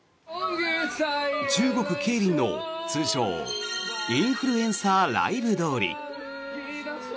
中国・桂林の通称インフルエンサーライブ通り。